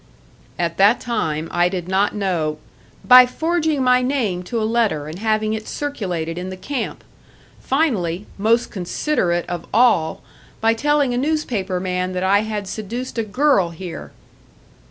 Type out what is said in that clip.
"At that time I did not know " "By forging my name to a letter and having it circulated in the camp! Finally most considerate of all by telling a newspaper man that I had seduced a girl here!"